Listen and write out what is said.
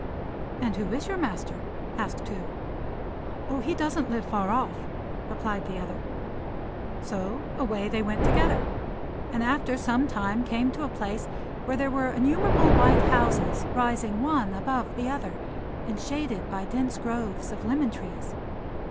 "And who is your master?" asked Tou. "Oh, he doesn't live far off," replied the other; so away they went together, and after some time came to a place where there were innumerable white houses rising one above the other, and shaded by dense groves of lemon trees.